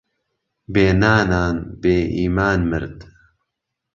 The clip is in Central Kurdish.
بێ نانان بێ ئیمان مرد